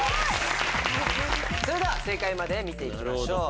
それでは正解まで見て行きましょう。